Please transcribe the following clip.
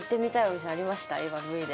今のＶで。